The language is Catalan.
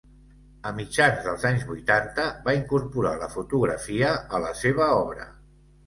A mitjans dels anys vuitanta va incorporar la fotografia a la seva obra.